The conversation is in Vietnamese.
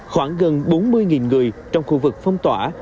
khoảng gần bốn mươi người trong khu vực phong tỏa